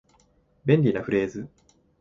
便利なフレーズ